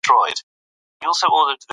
دا ژورنال لومړی د یو کلپ برخه وه.